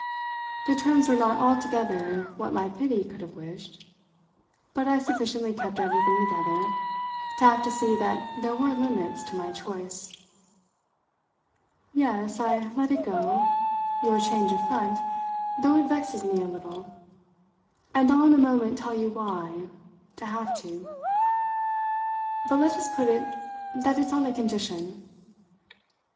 The terms were not altogether what my pity could have wished, but I sufficiently kept everything together to have to see that there were limits to my choice. "Yes, I let it go, your change of front, though it vexes me a little and I'll in a moment tell you why to have to. But let us put it that it's on a condition."